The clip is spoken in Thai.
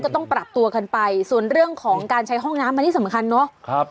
ต้องปรับตัวกันไปส่วนเรื่องของการใช้ห้องน้ำอันนี้สำคัญเนาะ